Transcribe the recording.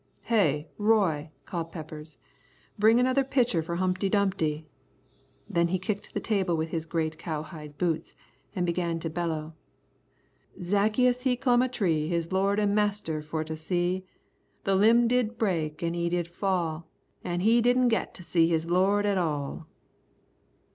"Hey, Roy!" called Peppers, "bring another pitcher for Humpty Dumpty." Then he kicked the table with his great cowhide boots and began to bellow: "Zaccheus he clum a tree His Lord an' Master for to see; The limb did break an' he did fall, An' he didn't git to see his Lord at all."